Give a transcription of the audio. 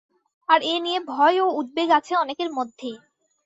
আর এ নিয়ে ভয় ও উদ্বেগ আছে অনেকের মধ্যেই।